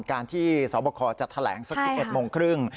การที่สรบอคคจะแถลง๑๑๓๐น